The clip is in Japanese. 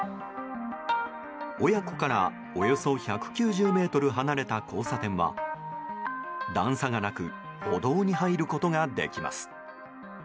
親子からおよそ１９０ｍ離れた交差点は段差がなく歩道に入ることができます。